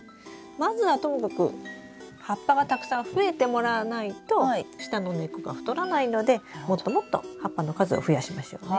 まずはともかく葉っぱがたくさん増えてもらわないと下の根っこが太らないのでもっともっと葉っぱの数を増やしましょうね。